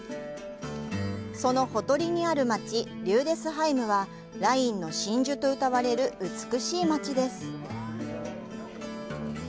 そのほとりにある街、リューデスハイムは“ラインの真珠”とうたわれる美しい街です。